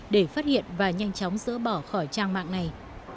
để phát hiện và nhanh chóng dỡ bỏ khỏi trang mạng này